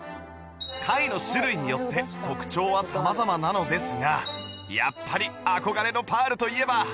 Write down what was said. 貝の種類によって特徴は様々なのですがやっぱり憧れのパールといえば